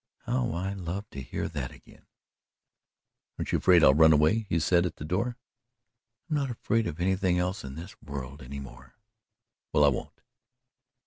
"How I love to hear that again!" "Aren't you afraid I'll run away?" he said at the door. "I'm not afraid of anything else in this world any more." "Well, I won't."